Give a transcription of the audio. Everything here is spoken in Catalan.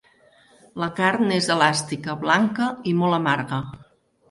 La carn és elàstica, blanca i molt amarga.